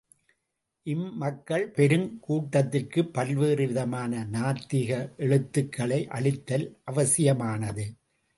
இம்மக்கள் பெருங் கூட்டத்திற்கு பலவேறு விதமான நாத்திக எழுத்துக்களை அளித்தல் அவசியமானது.